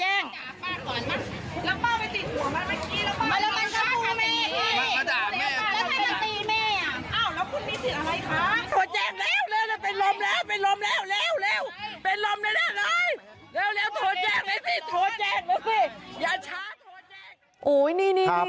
อย่าช้าโทรแจง